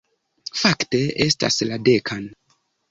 Fakte, estas la dekan...